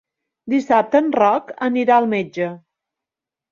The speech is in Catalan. Dissabte en Roc anirà al metge.